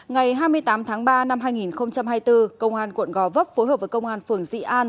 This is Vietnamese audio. ngày hai mươi tám tháng ba năm hai nghìn hai mươi bốn công an quận gò vấp phối hợp với công an phường dị an